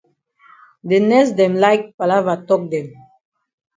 De nurse dem like palava tok dem.